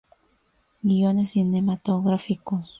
Guiones cinematográficos